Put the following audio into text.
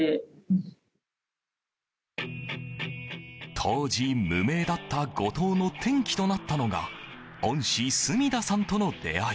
当時、無名だった後藤の転機となったのが恩師・住田さんとの出会い。